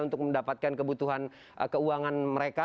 untuk mendapatkan kebutuhan keuangan mereka